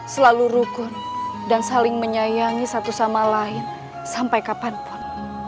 selalu rukun dan saling menyayangi satu sama lain sampai kapanpun